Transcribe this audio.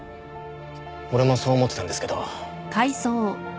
俺もそう思ってたんですけど。